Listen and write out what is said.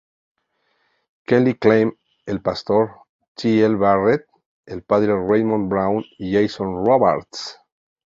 Kelly Clem, el Pastor T. L. Barrett, el Padre Raymond Brown y Jason Robards.